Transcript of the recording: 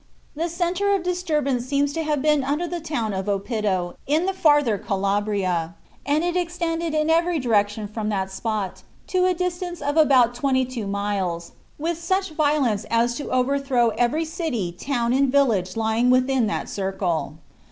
The centre of disturbance seems to have been under the town of Oppido in the farther Calabria, and it extended in every direction from that spot to a distance of about twenty two miles, with such violence as to overthrow every city, town and village lying within that circle.